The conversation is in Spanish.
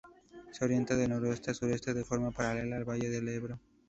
Se orienta de noroeste a sureste, de forma paralela al valle del Ebro.